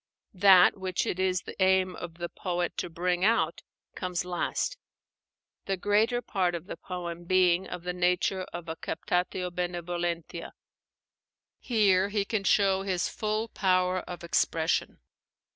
That which it is the aim of the poet to bring out comes last; the greater part of the poem being of the nature of a captatio benevolentia. Here he can show his full power of expression.